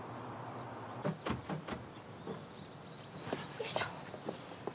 よいしょ。